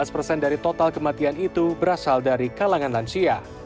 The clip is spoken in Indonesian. tujuh belas persen dari total kematian itu berasal dari kalangan lansia